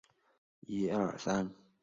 并担任经济委员会专委。